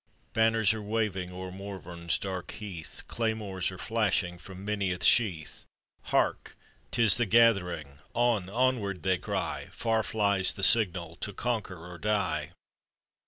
] Banners are waving o'er Morvern's dark heath, Claymores are flashing from many a sheath. Hark! 'tis the gath'ring! On! onward! they cry; Far flies the signal, "To conquer or die."